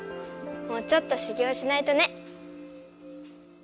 もうちょっとしゅぎょうしないとね！